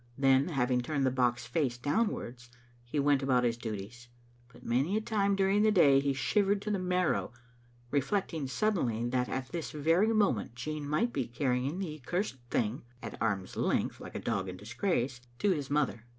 Then, having turned the box face downwards, he went about his duties. But many a time during the day he shivered to the marrow, reflecting suddenly that at this very moment Jean might be carrying the accursed thi^g (at arms* length, like a dog in disgrace) to his mother.